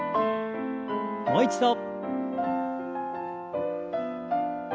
もう一度。